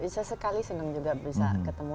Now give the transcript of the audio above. bisa sekali senang juga bisa ketemu